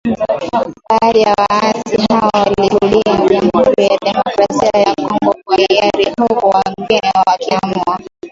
Baadhi ya waasi hao walirudi Jamuhuri ya Demokrasia ya Kongo kwa hiari huku wengine wakiamua